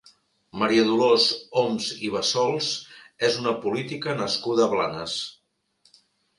Maria Dolors Oms i Bassols és una política nascuda a Blanes.